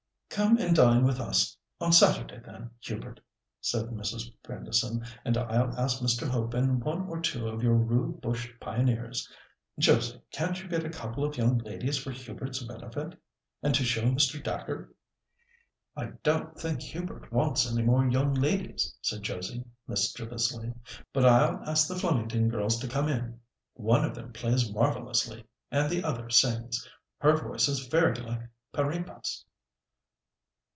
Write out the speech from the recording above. "Come and dine with us on Saturday, then, Hubert," said Mrs. Grandison, and I'll ask Mr. Hope and one or two of your rude bush pioneers. Josie, can't you get a couple of young ladies for Hubert's benefit and to show Mr. Dacre?" "I don't think Hubert wants any more young ladies," said Josie mischievously; "but I'll ask the Flemington girls to come in—one of them plays marvellously and the other sings. Her voice is very like Parepa's."